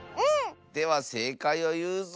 ではせいかいをいうぞ！